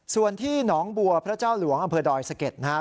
ส่วนที่หนองบัวพระเจ้าหลวงอำเภอดอยสะเก็ดนะครับ